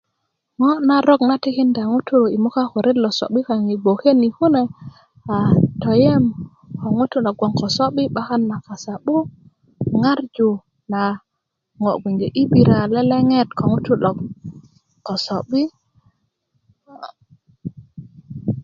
ŋo narok na tikinda ŋutu i moka ko ret lo so'bi kaŋ i bgoke ni kune a toyem ko ŋutu loŋ 'bakan kasa'bo ŋarju na ŋo bge ibira leleŋet ko ŋutu lo ko so'bi